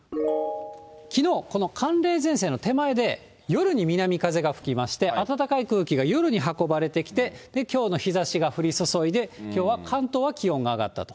きのう、この寒冷前線の手前で、夜に南風が吹きまして、暖かい空気が夜に運ばれてきて、きょうの日ざしが降り注いで、きょうは関東は気温が上がった。